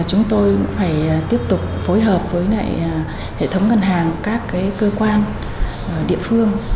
chúng tôi cũng phải tiếp tục phối hợp với hệ thống ngân hàng các cái cơ quan địa phương